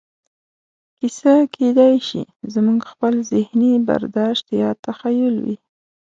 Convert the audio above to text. کیسه کېدای شي زموږ خپل ذهني برداشت یا تخیل وي.